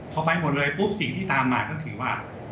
พอไปหมดเลยปุ๊บสิ่งที่ตามมาก็คือว่า